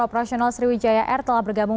operasional sriwijaya air telah bergabung